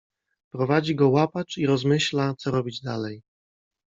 Prowadzi go łapacz i rozmyśla, co robić dalej.